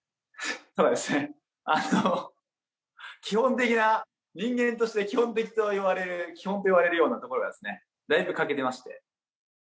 そうですねあの基本的な人間として基本的といわれる基本といわれるようなところがですねだいぶ欠けていまして。